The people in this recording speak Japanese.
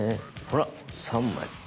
ほら３枚。